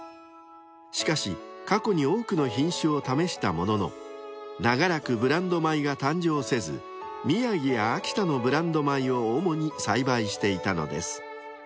［しかし過去に多くの品種を試したものの長らくブランド米が誕生せず宮城や秋田のブランド米を主に栽培していたのです］